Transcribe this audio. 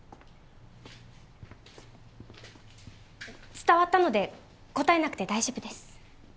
伝わったので答えなくて大丈夫です。